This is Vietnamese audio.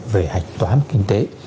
về hạch toán kinh tế